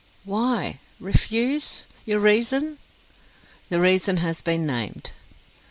"Why? Refuse? Your reason!" "The reason has been named."